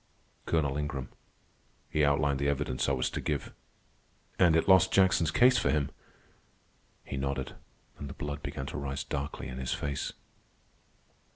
"Colonel Ingram. He outlined the evidence I was to give." "And it lost Jackson's case for him." He nodded, and the blood began to rise darkly in his face.